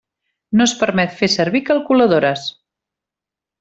No es permet fer servir calculadores.